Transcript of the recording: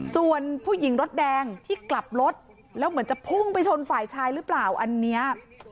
ส่วนผู้หญิงรถแดงที่กลับรถแล้วเหมือนจะพุ่งไปชนฝ่ายชายหรือเปล่าอันนี้